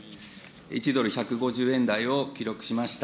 １ドル１５０円台を記録しました。